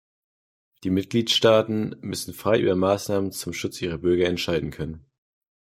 Die Mitgliedstaaten müssen frei über Maßnahmen zum Schutz ihrer Bürger entscheiden können.